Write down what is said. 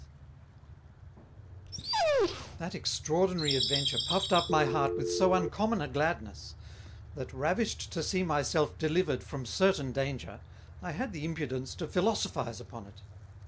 ] That extraordinary Adventure puffed up my Heart with so uncommon a Gladness; that, ravished to see my self delivered from certain danger, I had the impudence to philosophize upon it.